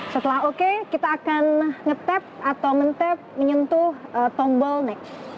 setelah oke kita akan nge tap atau men tap menyentuh tombol next